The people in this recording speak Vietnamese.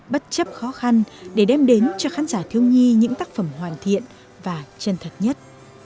bất chấp khó khăn để đem đến cho khán giả thiếu nhi những tác phẩm hoàn thiện và chân thật nhất